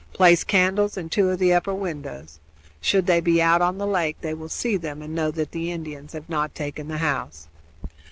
Place candles in two of the upper windows. Should they be out on the lake they will see them and know that the Indians have not taken the house."